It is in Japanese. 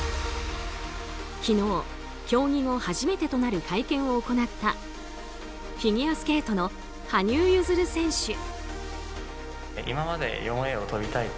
昨日、競技後初めてとなる会見を行ったフィギュアスケートの羽生結弦選手。